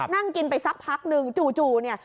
นั่งกินไปสักพักนึงจู่เนี่ย